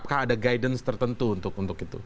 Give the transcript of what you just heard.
apakah ada guidance tertentu untuk itu